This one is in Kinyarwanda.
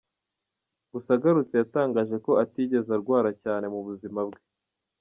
Gusa agarutse yatangaje ko atigeze arwara cyane mu buzima bwe.